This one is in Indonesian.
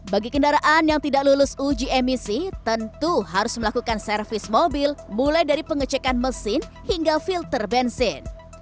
bagi kendaraan yang tidak lulus uji emisi tentu harus melakukan servis mobil mulai dari pengecekan mesin hingga filter bensin